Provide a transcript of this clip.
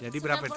jadi berapa itu